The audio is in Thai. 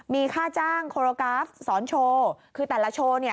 มีค่าจ้างโคโรกราฟสอนโชว์คือแต่ละโชว์เนี่ย